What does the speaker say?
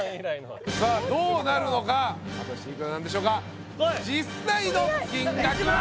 さあどうなるのか果たしていくらなんでしょうか実際の金額は！